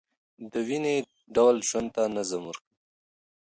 دویني ډول ژوند ته نظم ورکوي.